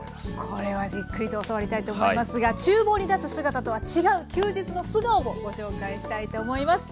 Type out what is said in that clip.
これはじっくりと教わりたいと思いますがちゅう房に立つ姿とは違う休日の素顔をご紹介したいと思います。